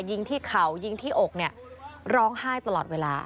ยิงที่เข่ายิงที่อกเนี่ยร้องไห้ตลอดเวลา